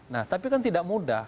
nah tapi kan tidak mudah